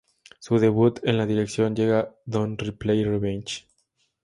Su debut en la dirección llega don "Replay revenge".